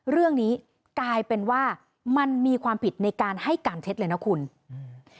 เรื่องนี้กลายเป็นว่ามันมีความผิดในการให้การเท็จเลยนะคุณอืม